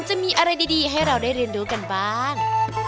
จะมีอะไรดีให้เราได้เรียนรู้กันบ้าง